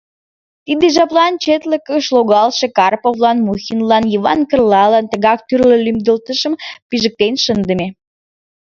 Тиде жаплан четлыкыш логалше Карповлан, Мухинлан, Йыван Кырлалан тыгак тӱрлӧ лӱмдылтышым пижыктен шындыме.